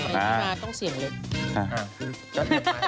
สวัสดีค่ะต้องเสียงเล็ก